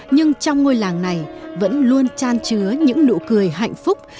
nhưng trong ngôi làng này vẫn luôn tràn chứa những nụ cười hạnh phúc